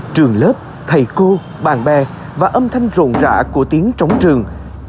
trường lớp thầy cô bạn bè và âm thanh rộn rã của tiếng trống rừng